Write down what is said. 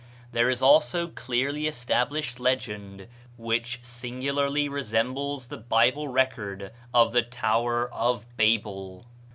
There is also a clearly established legend which singularly resembles the Bible record of the Tower of Babel.